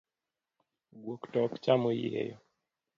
Guok to ok cham oyieyo.